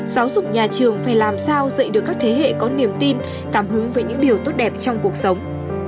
giáo dục nhà trường phải làm sao dạy được các thế hệ có niềm tin cảm hứng về những điều tốt đẹp trong cuộc sống